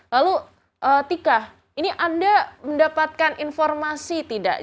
lalu tika ini anda mendapatkan informasi tidak